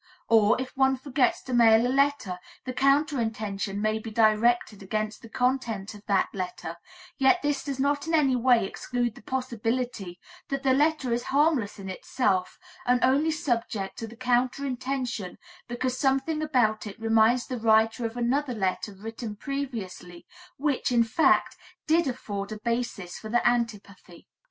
Or, if one forgets to mail a letter, the counter intention may be directed against the content of that letter, yet this does not in any way exclude the possibility that the letter is harmless in itself, and only subject to the counter intention because something about it reminds the writer of another letter written previously, which, in fact, did afford a basis for the antipathy.